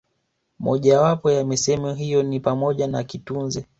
Moja wapo ya misemo hiyo ni pamoja na kitunze